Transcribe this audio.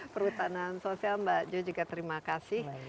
terima kasih mbak jo juga terima kasih